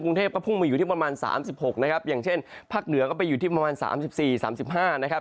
กรุงเทพก็พุ่งมาอยู่ที่ประมาณ๓๖นะครับอย่างเช่นภาคเหนือก็ไปอยู่ที่ประมาณ๓๔๓๕นะครับ